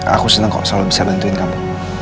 aku senang kok selalu bisa bantuin kamu